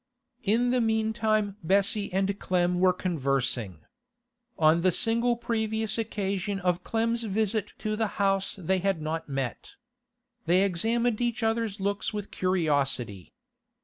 In the meantime Bessie and Clem were conversing. On the single previous occasion of Clem's visit to the house they had not met. They examined each other's looks with curiosity.